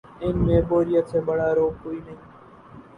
ان میں بوریت سے بڑا روگ کوئی نہیں۔